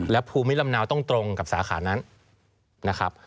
และภูมิลำเนาต้องตรงกับสาขานั้นนะครับ